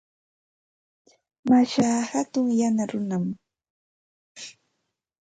Mashaa hatun yana runam.